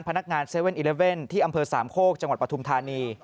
พนักงาน๗๑๑ที่อำเภอสามโคกจังหวัดปฐุมธานี